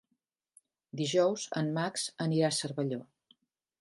Dijous en Max anirà a Cervelló.